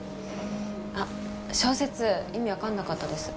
あっ小説意味分かんなかったです。